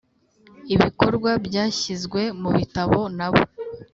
ibikorwa byashyizwe mu bitabo nabo